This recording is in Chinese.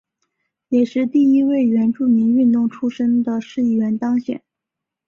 也是第一位原住民运动出身的市议员当选人。